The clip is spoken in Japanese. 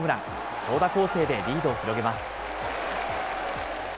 長打攻勢でリードを広げます。